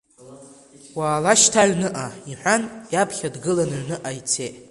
Уаала шьҭа аҩныҟа, — иҳәан, иаԥхьа дгылан аҩныҟа ицеит.